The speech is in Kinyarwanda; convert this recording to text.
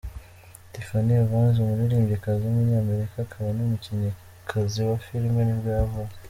Tiffany Evans, umuririmbyikazi w’umunyamerika akaba n’umukinnyikazi wa film nibwo yavutse.